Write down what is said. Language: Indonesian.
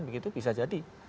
begitu bisa jadi